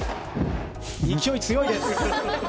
勢い強いです。